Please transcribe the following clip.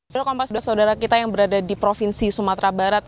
seluruh kompas saudara kita yang berada di provinsi sumatera barat